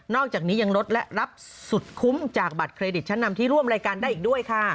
อกจากนี้ยังลดและรับสุดคุ้มจากบัตรเครดิตชั้นนำที่ร่วมรายการได้อีกด้วยค่ะ